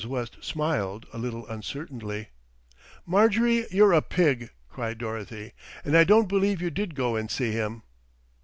West smiled a little uncertainly. "Marjorie, you're a pig," cried Dorothy, "and I don't believe you did go and see him."